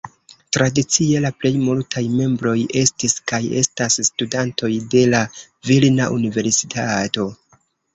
Tradicie la plej multaj membroj estis kaj estas studantoj de la Vilna Universitato.